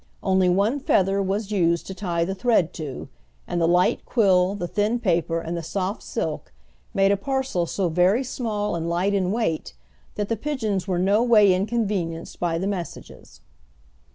Only one feather was used to tie the thread to, and the light quill, the thin paper, and the soft silk made a parcel so very small and light in weight that the pigeons were no way inconvenienced by the messages.